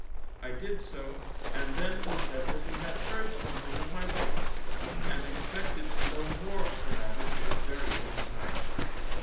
I did so, and then he said that he had heard something of my lace, and expected to know more of the matter in a very little time.